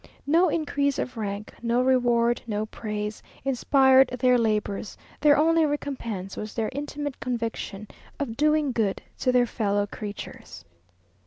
No increase of rank, no reward, no praise, inspired their labours; their only recompense was their intimate conviction of doing good to their fellow creatures.